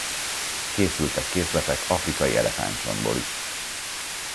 Készültek készletek afrikai elefántcsontból is.